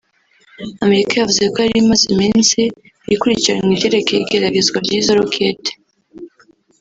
Amerika yavuze ko yari imaze imisi ikurikirana ivyerekeye igeragezwa ry'izo roketi